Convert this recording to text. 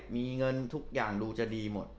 มีเงินทุกอย่างดูจะดีหมด